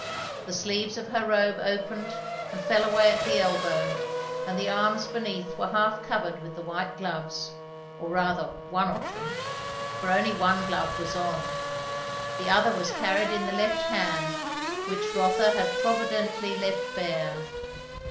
The sleeves of her robe opened and fell away at the elbow, and the arms beneath were half covered with the white gloves. Or rather, one of them; for only one glove was on. The other was carried in the left hand which Rotha had providently left bare.